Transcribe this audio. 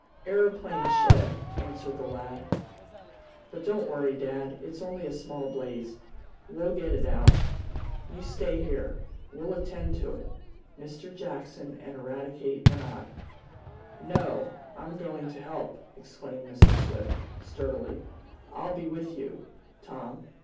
"Aeroplane shed," answered the lad. "But don't worry dad. It's only a small blaze. We'll get it out. You stay here. We'll attend to it Mr. Jackson and Eradicate and I." "No I'm going to help!" exclaimed Mr. Swift, sturdily. "I'll be with you, Tom.